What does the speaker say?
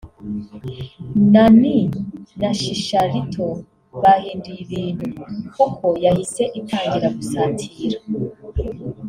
Nani na Chicharito bahinduye ibintu kuko yahise itangira gusatira